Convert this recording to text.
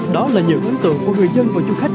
đó là những ấn tượng của người dân và du khách